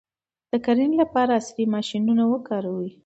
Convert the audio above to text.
د کرنې لپاره عصري ماشینونه وکاروئ.